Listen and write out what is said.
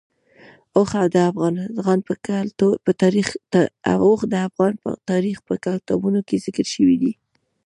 اوښ د افغان تاریخ په کتابونو کې ذکر شوی دی.